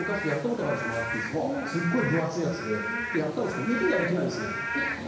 すっごい分厚いやつでやったんですけど息ができないんですね。